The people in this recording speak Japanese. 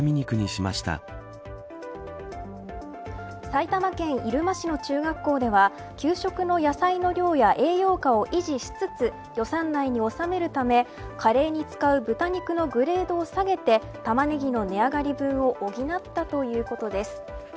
埼玉県入間市の中学校では給食の野菜の量や栄養価を維持しつつ予算内に収めるためカレーに使う豚肉のグレードを下げてタマネギの値上がり分を補ったということです。